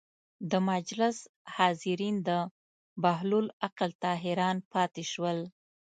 د مجلس حاضرین د بهلول عقل ته حیران پاتې شول.